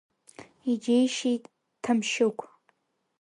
Иџьеишьеит Ҭамшьыгә.